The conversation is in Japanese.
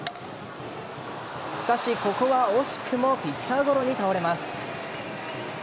しかし、ここは惜しくもピッチャーゴロに倒れます。